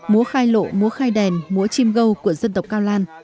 múa khai lộ múa khai đèn múa chim gâu của dân tộc cao lan